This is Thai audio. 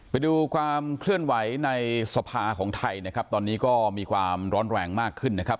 ไปดูความเคลื่อนไหวในสภาของไทยนะครับตอนนี้ก็มีความร้อนแรงมากขึ้นนะครับ